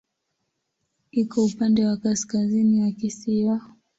Iko upande wa kaskazini wa kisiwa.